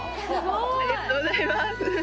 ありがとうございます。